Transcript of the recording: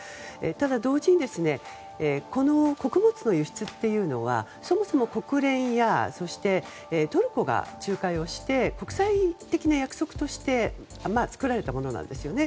ただ、同時にこの穀物の輸出というのはそもそも国連やトルコが仲介をして国際的な約束として作られたものなんですよね。